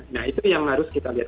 nah itu yang harus kita lihat